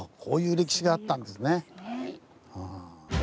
こういう歴史があったんですね。